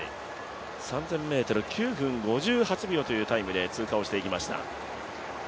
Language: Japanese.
３０００ｍを９分５８秒というタイムで通過していきました。